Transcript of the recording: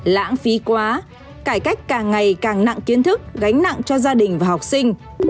lãng phí quá cải cách càng ngày càng nặng kiến thức gánh nặng cho gia đình và học sinh